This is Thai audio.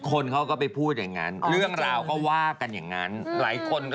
คนเขาก็ไปพูดอย่างนั้นเลื่อนราวก็ว่ากันอย่างนั้น